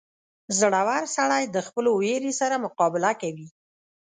• زړور سړی د خپلو وېرې سره مقابله کوي.